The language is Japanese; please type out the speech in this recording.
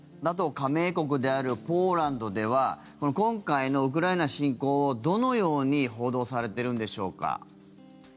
ＮＡＴＯ加盟国であるポーランドでは今回のウクライナ侵攻をどのように報道されているんでしょうか。